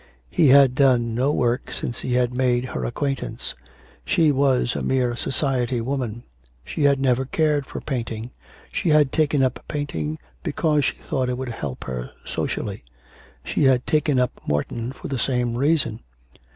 He had done no work since he had made her acquaintance. She was a mere society woman. She had never cared for painting; she had taken up painting because she thought that it would help her socially. She had taken up Morton for the same reason.